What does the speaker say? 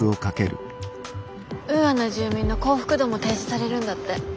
ウーアの住民の幸福度も提示されるんだって。